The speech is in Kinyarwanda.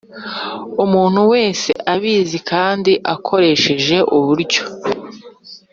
Umuntu wese abizi kandi akoresheje uburyo